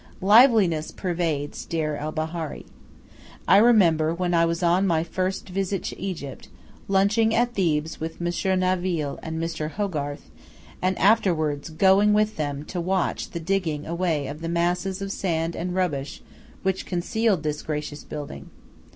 Liveliness pervades Deir el Bahari. I remember, when I was on my first visit to Egypt, lunching at Thebes with Monsieur Naville and Mr. Hogarth, and afterward going with them to watch the digging away of the masses of sand and rubbish which concealed this gracious building.